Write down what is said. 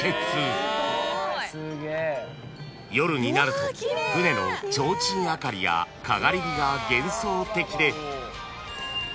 ［夜になると船の提灯あかりやかがり火が幻想的で］